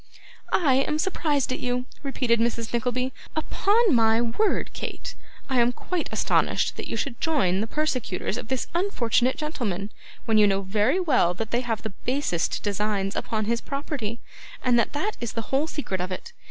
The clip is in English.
'I am surprised at you,' repeated Mrs. Nickleby; 'upon my word, Kate, I am quite astonished that you should join the persecutors of this unfortunate gentleman, when you know very well that they have the basest designs upon his property, and that that is the whole secret of it.